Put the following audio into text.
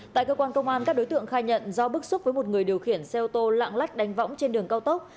tại cơ quan công an các đối tượng khai nhận do bức xúc với một người điều khiển xe ô tô lạng lách đánh võng trên đường cao tốc